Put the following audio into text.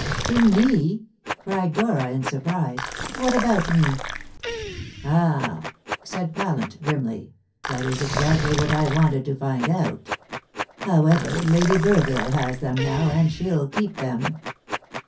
"To me!" cried Dora in surprise. "What about me?" "Ah!" said Pallant grimly, "that is exactly what I wanted to find out. However, Lady Burville has them now, and she'll keep them."